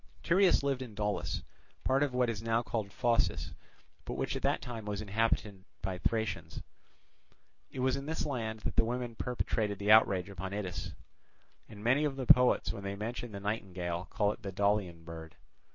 Tereus lived in Daulis, part of what is now called Phocis, but which at that time was inhabited by Thracians. It was in this land that the women perpetrated the outrage upon Itys; and many of the poets when they mention the nightingale call it the Daulian bird.